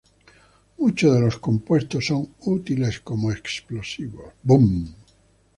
Muchos de los compuestos son útiles como explosivos.